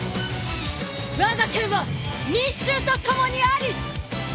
わが剣は民衆と共にあり！